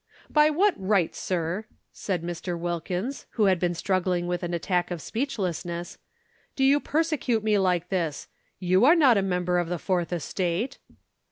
"By what right, sir," said Mr. Wilkins, who had been struggling with an attack of speechlessness, "do you persecute me like this? You are not a member of the Fourth Estate."